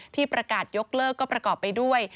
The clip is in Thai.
ที่ประกาศยกเลิกก็ประกอบไปด้วย